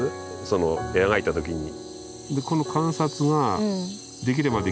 その描いた時に。